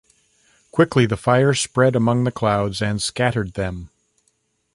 Quickly the fire spread among the clouds and scattered them.